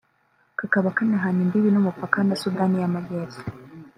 kakaba kanahana imbibi n’umupaka na Sudani y’Amajyepfo